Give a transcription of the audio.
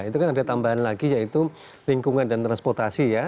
itu kan ada tambahan lagi yaitu lingkungan dan transportasi ya